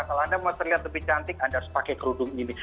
kalau anda mau terlihat lebih cantik anda harus pakai kerudung ini